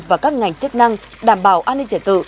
và các ngành chức năng đảm bảo an ninh trật tự